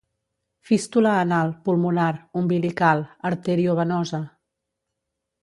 Fístula anal, pulmonar, umbilical, arteriovenosa.